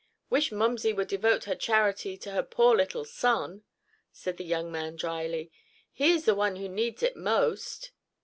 "Wish momsey would devote her charity to her poor little son," said the young man, drily. "He is the one who needs it most!"